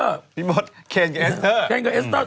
ไม่ใช่พี่มดเคนกับเอสเตอร์